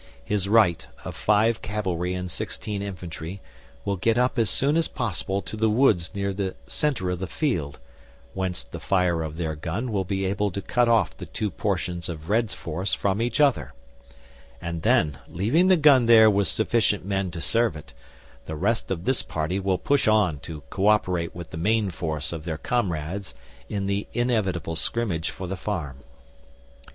His right, of 5 cavalry and 16 infantry, will get up as soon as possible to the woods near the centre of the field (whence the fire of their gun will be able to cut off the two portions of Red's force from each other), and then, leaving the gun there with sufficient men to serve it, the rest of this party will push on to co operate with the main force of their comrades in the inevitable scrimmage for the farm.